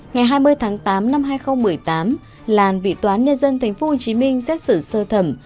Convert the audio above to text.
ngày hai mươi tháng tám năm hai nghìn một mươi tám làn bị toán nhân dân tp hcm xét xử sơ thẩm